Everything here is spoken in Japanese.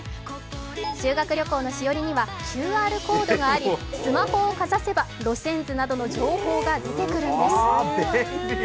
修学旅行のしおりにはＱＲコードがありスマホをかざせば路線図などの情報が出てくるんです。